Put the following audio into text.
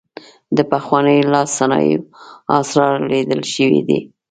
د پخوانیو لاسي صنایعو اثار لیدل شوي دي.